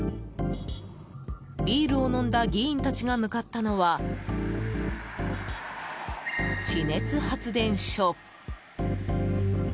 ビールを飲んだ議員たちが向かったのは、地熱発電所。